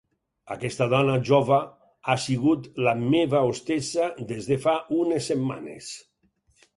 Aquesta dona jova ha sigut la meva hostessa des de fa unes setmanes.